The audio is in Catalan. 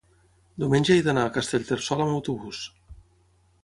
diumenge he d'anar a Castellterçol amb autobús.